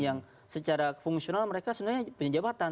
yang secara fungsional mereka sebenarnya punya jabatan